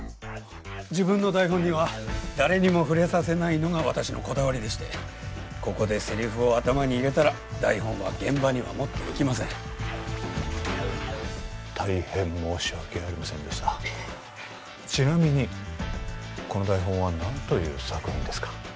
自分の台本には誰にも触れさせないのが私のこだわりでしてここでセリフを頭に入れたら台本は現場には持っていきません大変申し訳ありませんでしたちなみにこの台本は何という作品ですか？